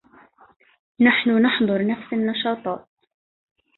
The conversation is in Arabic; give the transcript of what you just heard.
نحن نَحضرُ نفسُ النشاطات.